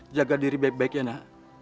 jaga diri baik baik ya nak